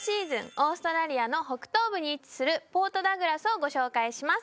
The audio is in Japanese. オーストラリアの北東部に位置するポートダグラスをご紹介します